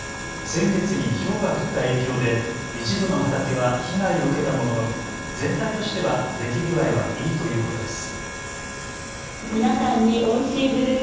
先月にひょうが降った影響で一部の畑は被害を受けたものの全体としては出来具合はいいということです。